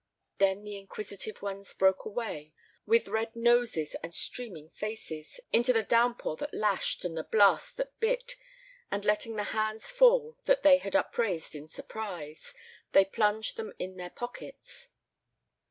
Then the inquisitive ones broke away, with red noses and streaming faces, into the down pour that lashed and the blast that bit, and letting the hands fall that they had upraised in surprise, they plunged them in their pockets.